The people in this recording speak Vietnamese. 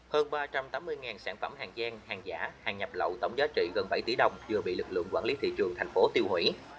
hơn ba trăm tám mươi sản phẩm hàng giang hàng giả hàng nhập lậu tổng giá trị gần bảy tỷ đồng vừa bị lực lượng quản lý thị trường thành phố tiêu hủy